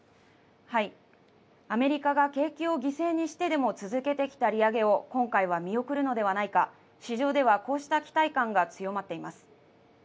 アメリカが景気を犠牲にしてでも続けてきた利上げを今回は見送るのではないか市場ではこうした期待感が強まっています。